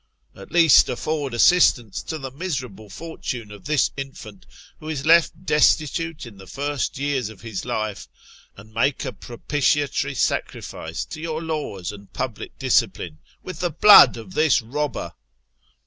At least, afford assistance to the miserable fortune of this infant, who is left f ' destitute in the first years of his life, and make a propitiatory sacrifice to your laws and public discipline, with the blood of this robber."